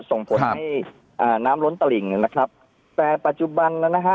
ส่งผลให้อ่าน้ำล้นตลิ่งนะครับแต่ปัจจุบันนั้นนะฮะ